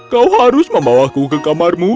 kau harus membawaku ke kamarmu